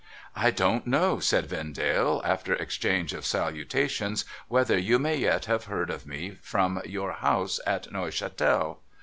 ' I don't know,' said Vendale, after exchange of salutations, ' whether you may yet have heard of me from your House at Neuchatel